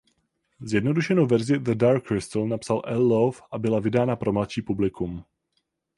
Zjednodušenou verzi "The Dark Crystal" napsal Al Lowe a byla vydána pro mladší publikum.